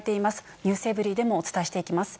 ｎｅｗｓｅｖｅｒｙ．でもお伝えしていきます。